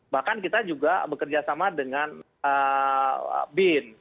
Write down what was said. bahkan kita juga bekerjasama dengan bin